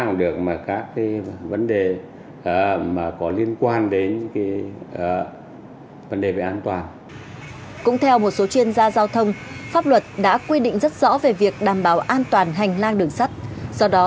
giao thông pháp luật đã quy định rất rõ về việc đảm bảo an toàn hành lang đường sắt do đó